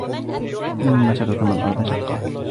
ثُمَّ شَقَقْنَا الأَرْضَ شَقًّا